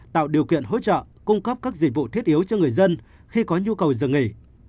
tạo điều kiện hỗ trợ cung cấp các dịch vụ thiết yếu cho người dân khi có nhu cầu dừng nghỉ